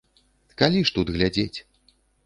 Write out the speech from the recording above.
Калі ж тут глядзець?